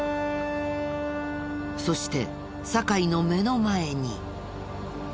そして酒井の目の前に。